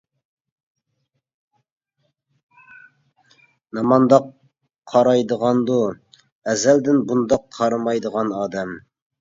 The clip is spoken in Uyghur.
«نېمانداق قارايدىغاندۇ؟ ئەزەلدىن بۇنداق قارىمايدىغان ئادەم» .